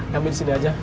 kami disini aja